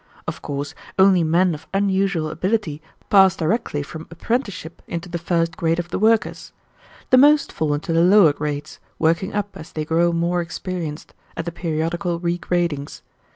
Of course only men of unusual ability pass directly from apprenticeship into the first grade of the workers. The most fall into the lower grades, working up as they grow more experienced, at the periodical regradings.